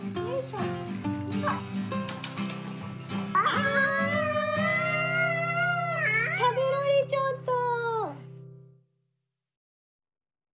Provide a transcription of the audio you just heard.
たべられちゃった。